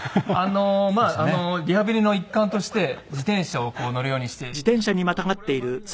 リハビリの一環として自転車を乗るようにしているんですけど。